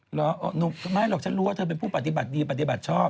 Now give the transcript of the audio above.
เหรอหนูไม่หรอกฉันรู้ว่าเธอเป็นผู้ปฏิบัติดีปฏิบัติชอบ